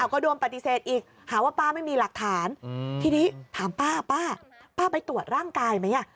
ก็โดนปฏิเสธอีกหาว่าป้าไม่มีหลักฐานทีนี้ถามป้าป้าป้าไปตรวจร่างกายไหม